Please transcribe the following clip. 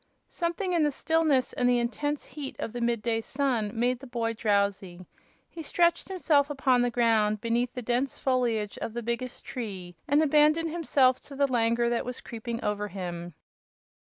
Something in the stillness and the intense heat of the mid day sun made the boy drowsy. He stretched himself upon the ground beneath the dense foliage of the biggest tree and abandoned himself to the languor that was creeping over him.